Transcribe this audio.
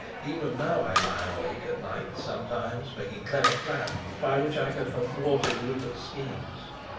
Even now I lie awake at night sometimes, making clever plans by which I could have thwarted Rupert's schemes.